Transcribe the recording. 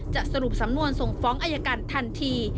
สรุปสำนวนส่งฟ้องอายการทันที